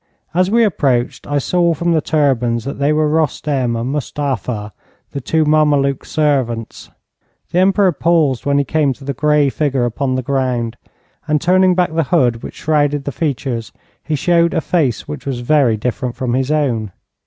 As we approached I saw from the turbans that they were Roustem and Mustafa, the two Mameluke servants. The Emperor paused when he came to the grey figure upon the ground, and turning back the hood which shrouded the features, he showed a face which was very different from his own.